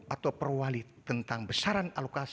atau perwali tentang besaran